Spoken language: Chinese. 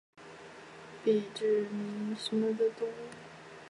鼻肢闽溪蟹为溪蟹科闽溪蟹属的动物。